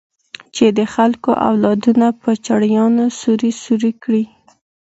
چې د خلکو اولادونه په چړيانو سوري سوري کړي.